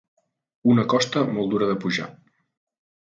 Una costa molt dura de pujar.